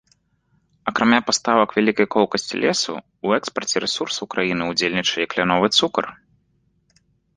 Акрамя паставак вялікай колкасці лесу, у экспарце рэсурсаў краіны ўдзельнічае і кляновы цукар.